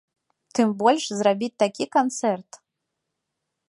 Тым больш, зрабіць такі канцэрт.